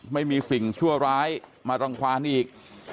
ไม่มีสิ่งชั่วร้ายมารังความอีก